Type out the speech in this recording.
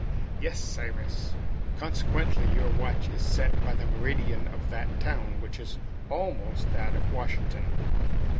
"Yes, Cyrus." "Consequently, your watch is set by the meridian of that town, which is almost that of Washington?"